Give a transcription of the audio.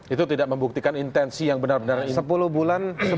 itu tidak membuktikan intensi yang benar benar intensif